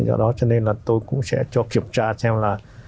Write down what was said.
do đó cho nên là tôi cũng sẽ cho kiểm tra xem là